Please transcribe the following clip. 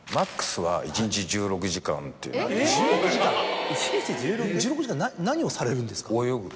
１６時間⁉１６時間何をされるんですか？